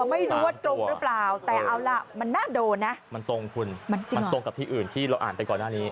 ไม่รู้ว่าตรงหรือเปล่าแต่เอาล่ะมันน่าโดนนะมันตรงคุณมันจริงมันตรงกับที่อื่นที่เราอ่านไปก่อนหน้านี้